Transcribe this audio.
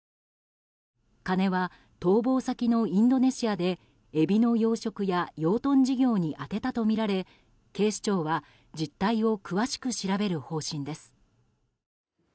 金は逃亡先のインドネシアでエビの養殖や養豚事業に充てたとみられ警視庁は実態を詳しく調べる方針です。